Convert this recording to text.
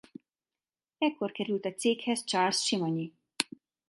Ekkor került a céghez Charles Simonyi.